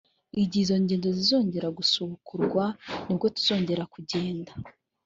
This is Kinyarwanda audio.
igihe izo ngendo zizongera gusubukurwa nibwo tuzongera kugenda